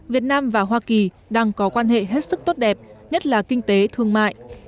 việt nam và hoa kỳ đang có quan hệ hết sức tốt đẹp nhất là kinh tế thương mại